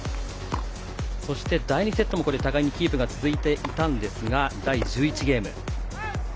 そして、第２セットも互いにキープが続いていたんですが第１１ゲーム。